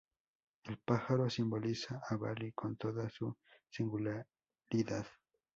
El pájaro simboliza a Bali con toda su singularidad.